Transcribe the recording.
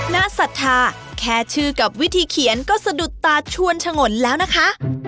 ศรัทธาแค่ชื่อกับวิธีเขียนก็สะดุดตาชวนฉงนแล้วนะคะ